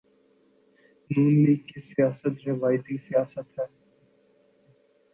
ن لیگ کی سیاست روایتی سیاست ہے۔